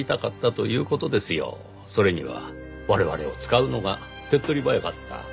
それには我々を使うのが手っ取り早かった。